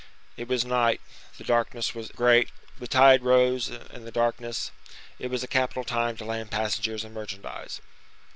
It was night, the darkness was great, the tide rose in the darkness; it was a capital time to land passengers and merchandise.